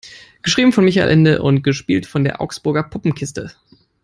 Geschrieben von Michael Ende und gespielt von der Augsburger Puppenkiste.